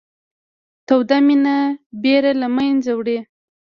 توده مینه بېره له منځه وړي